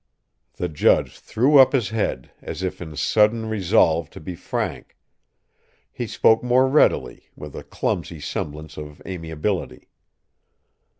The judge threw up his head, as if in sudden resolve to be frank. He spoke more readily, with a clumsy semblance of amiability.